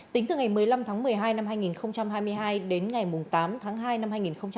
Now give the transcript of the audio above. tính từ ngày một mươi năm tháng một mươi hai năm hai nghìn hai mươi hai đến ngày tám tháng hai năm hai nghìn hai mươi ba